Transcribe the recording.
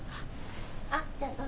あっじゃあどうぞ。